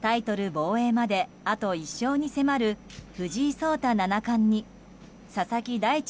防衛まであと１勝に迫る藤井聡太七冠に佐々木大地